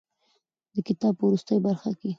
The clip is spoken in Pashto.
د کتاب په وروستۍ برخه کې.